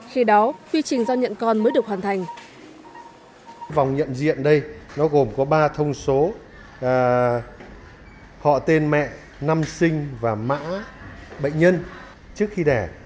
khi đó quy trình giao nhận con mới được hoàn thành